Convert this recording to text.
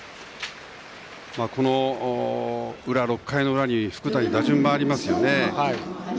この裏、６回の裏に福谷、打順回りますよね。